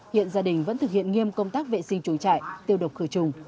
hiện gia đình vẫn thực hiện nghiêm công tác vệ sinh chuồng trại tiêu độc khởi trùng